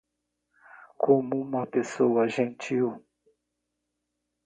Como uma pessoa gentil